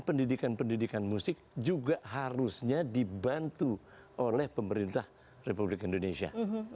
pendidikan pendidikan musik juga harusnya dibantu oleh pemerintah republik indonesia